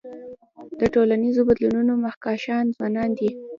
د ټولنیزو بدلونونو مخکښان ځوانان دي.